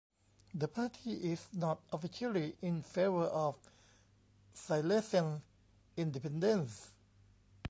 The party is not officially in favor of Silesian independence.